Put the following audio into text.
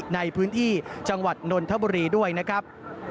ในพื้นที่จังหวัดนนทบุรีด้วยนะครับ